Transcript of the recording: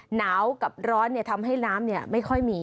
หนาวกับร้อนเนี่ยทำด้วยล้ำเนี่ยไม่ค่อยมี